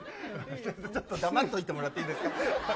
ちょっと黙っといてもらっていいですか。